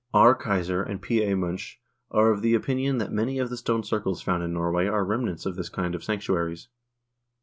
R. Keyser and P. A. Munch are of the opinion that many of the stone circles found in Norway are remnants of this kind of sanc tuaries.